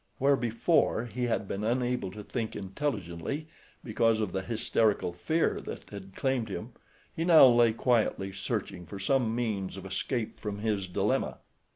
Where before he had been unable to think intelligently because of the hysterical fear that had claimed him he now lay quietly searching for some means of escape from his dilemma.